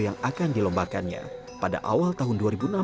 yang akan dilombakannya pada awal tahun dua ribu enam belas